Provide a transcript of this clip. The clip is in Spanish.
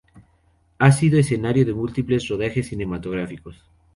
Ha sido escenario de múltiples rodajes cinematográficos.